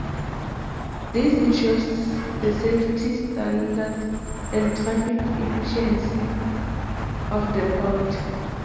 This ensures the safety standard and traffic efficiency of the port.